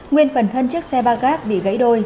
nguyên phần thân chiếc xe ba gác bị gãy đôi